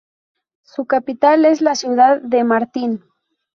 Su capital es la ciudad de Martin.